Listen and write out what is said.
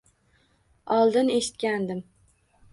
Oldin eshitgandim.